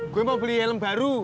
gue mau beli helm baru